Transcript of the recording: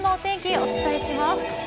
お伝えします。